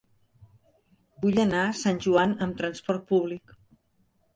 Vull anar a Sant Joan amb transport públic.